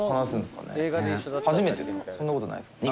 そんなことないですか？